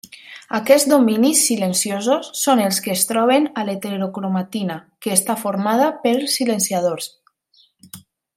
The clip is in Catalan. Aquests dominis silenciosos són els que es troben a l'heterocromatina, que està formada pels silenciadors.